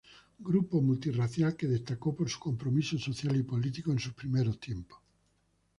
Grupo multirracial que destacó por su compromiso social y político en sus primeros tiempos.